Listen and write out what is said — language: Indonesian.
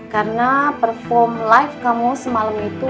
karena perform live kamu semalam itu